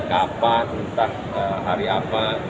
kapan entah hari apa